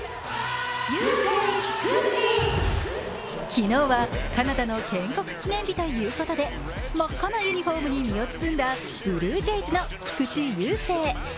昨日はカナダの建国記念日ということで、真っ赤なユニフォームに身を包んだブルージェイズの菊池雄星。